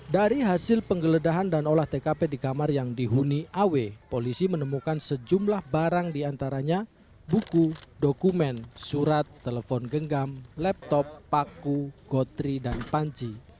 dari hasil penggeledahan dan olah tkp di kamar yang dihuni aw polisi menemukan sejumlah barang diantaranya buku dokumen surat telepon genggam laptop paku gotri dan panci